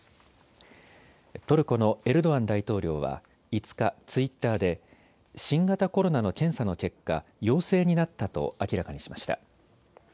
トルコのエルドアン大統領は５日、ツイッターで新型コロナの検査の結果、陽性になったと明らかにしました。